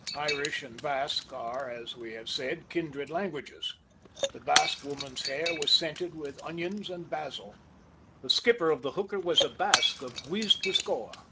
Irish and Basque are, as we have said, kindred languages. The Basque woman's hair was scented with onions and basil. The skipper of the hooker was a Basque of Guipuzcoa.